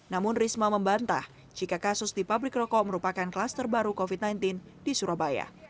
namun risma membantah jika kasus di pabrik rokok merupakan klaster baru covid sembilan belas di surabaya